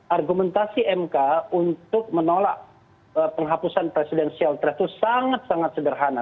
argumentasi mk untuk menolak penghapusan presidensial threshold sangat sangat sederhana